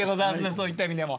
そういった意味でも。